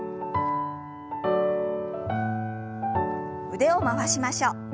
腕を回しましょう。